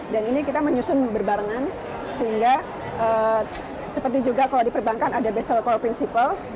dan ini kita menyusun berbarengan sehingga seperti juga kalau di perbankan ada basel core principle